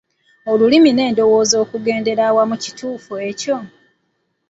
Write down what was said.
Olulimi n'endowooza okugendera awamu kituufu ekyo?